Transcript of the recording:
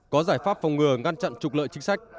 có giải pháp phòng ngừa ngăn chặn trục lợi chính sách